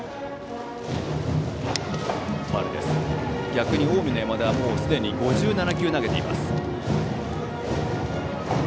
逆に近江の山田はすでに５７球を投げています。